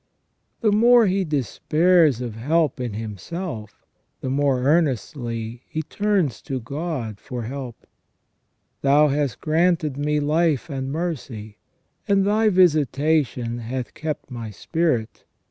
The more he despairs of help in himself, the more earnestly he turns to God for help :" Thou hast granted me life and mercy, and Thy visitation hath kept my spirit.